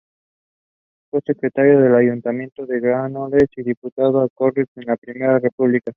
Fue secretario del Ayuntamiento de Granollers y diputado a Cortes en la primera República.